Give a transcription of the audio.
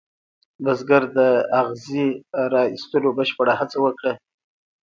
بزګر د اغزي را ویستلو بشپړه هڅه وکړه.